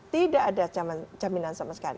tidak ada jaminan sama sekali